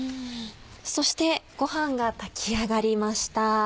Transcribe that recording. そしてごはんが炊き上がりました。